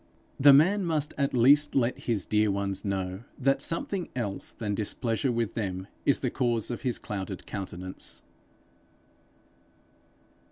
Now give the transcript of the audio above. The man must at least let his dear ones know that something else than displeasure with them is the cause of his clouded countenance.